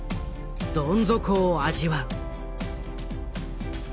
どん底を味わう。